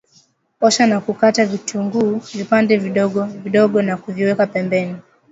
Osha na kukata kitunguu vipande vidogo vidogo na kuviweka pembeni